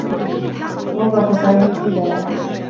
نظّف سامي حذاءه.